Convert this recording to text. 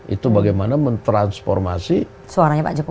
itu bagaimana mentransformasi seorangnya pak jokowi